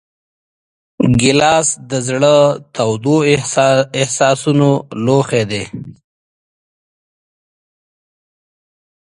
ګیلاس د زړه تودو احساسونو لوښی دی.